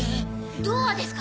ドアですか？